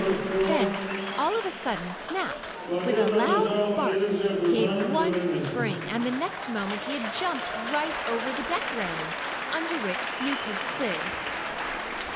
Then, all of a sudden, Snap, with a loud bark, gave one spring, and the next moment he had jumped right over the deck railing, under which Snoop had slid.